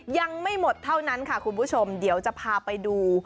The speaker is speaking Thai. ยังไม่หมดเท่านั้นค่ะคุณผู้ชมเดี๋ยวจะพาไปดู